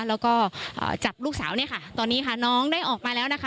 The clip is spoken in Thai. แล้วก็จับลูกสาวเนี่ยค่ะตอนนี้ค่ะน้องได้ออกมาแล้วนะคะ